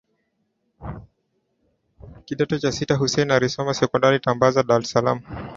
kidato cha sita Hussein alisoma secondary Tambaza Dar es salaam